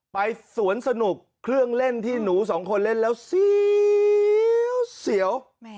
ไปสวนสนุกเครื่องเล่นที่หนูสองคนเล่นแล้วเสียว